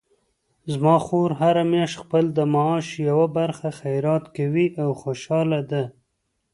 زما خور هره میاشت د خپل معاش یوه برخه خیرات کوي او خوشحاله ده